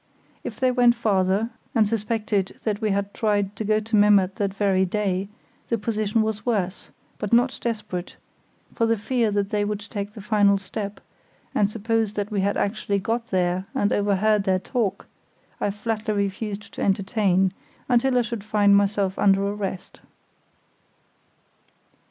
If they went farther, and suspected that we had tried to go to Memmert that very day, the position was worse, but not desperate; for the fear that they would take the final step and suppose that we had actually got there and overheard their talk, I flatly refused to entertain, until I should find myself under arrest.